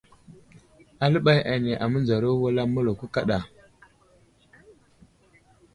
Aləɓay ane amənzaro wulam mələko kaɗa.